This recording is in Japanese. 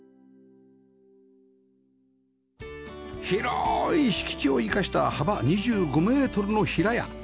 広い敷地を生かした幅２５メートルの平屋